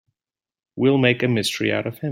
We'll make a mystery out of him.